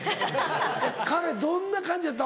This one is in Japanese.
彼どんな感じやった？